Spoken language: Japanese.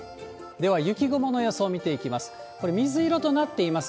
では、雪雲の予想見ていきます。